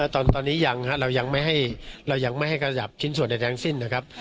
ตอนนี้ยังเรายังไม่ให้เรายังไม่ให้ขยับชิ้นส่วนใดทั้งสิ้นนะครับ